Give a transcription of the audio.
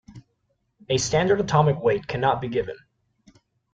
A standard atomic weight cannot be given.